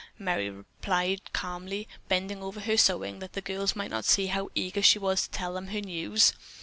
Merry replied calmly, bending over her sewing that the girls might not see how eager she was to tell them her news.